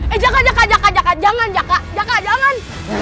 eh eh jaka jaka jaka jangan jaka jaka jangan